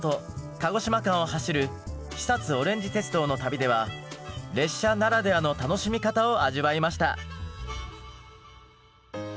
鹿児島間を走る肥おれんじ鉄道の旅では列車ならではの楽しみ方を味わいました。